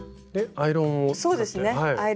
アイロンを。